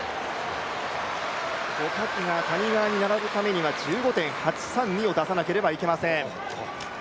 ゴカキがゴカキが谷川に並ぶためには相当な得点を出さなければいけません。